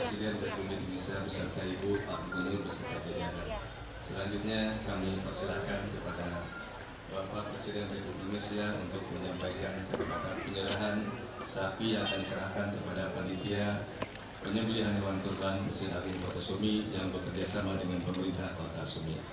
selanjutnya kami persilahkan kepada bapak presiden republik indonesia untuk menyampaikan kebataan penyerahan sapi yang diserahkan kepada panikia penyembelian hewan kerban beserta ibu kota sumi yang bekerja sama dengan pemerintah kota sumi